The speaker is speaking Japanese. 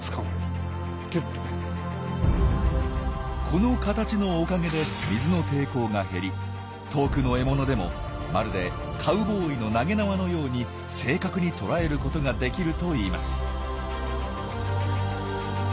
この形のおかげで水の抵抗が減り遠くの獲物でもまるでカウボーイの投げ縄のように正確に捕らえることができるといいます。